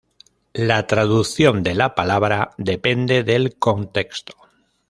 La traducción de la palabra depende del contexto.